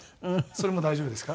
それも大丈夫ですか？